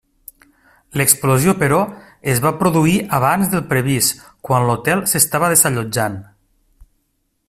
L'explosió, però, es va produir abans del previst, quan l'hotel s'estava desallotjant.